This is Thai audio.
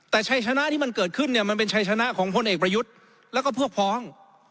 แต่ชัยชนะที่มันเกิดขึ้นเนี่ยมันเป็นชัยชนะของพลเอกประยุทธ์แล้วก็พวกพ้อง